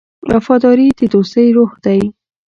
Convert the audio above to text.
وفاداري د دوستۍ روح دی.